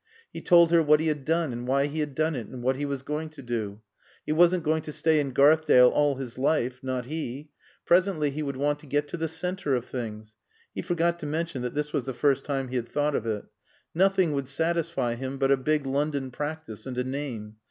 He told her what he had done and why he had done it and what he was going to do. He wasn't going to stay in Garthdale all his life. Not he. Presently he would want to get to the center of things. (He forgot to mention that this was the first time he had thought of it.) Nothing would satisfy him but a big London practice and a name.